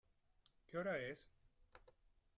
¿Qué hora es?